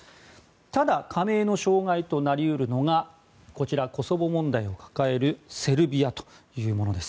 ただ、加盟の障害となり得るのがコソボ問題を抱えるセルビアというものです。